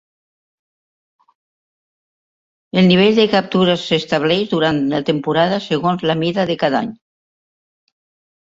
El nivell de captures s'estableix durant la temporada segons la mida de cada any.